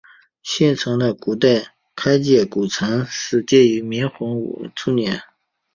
现存的开建古城始建于明洪武初年。